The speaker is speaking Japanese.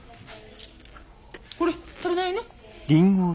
これ食べないの？